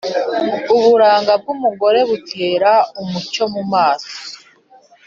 Uburanga bw’umugore butera umucyo mu maso,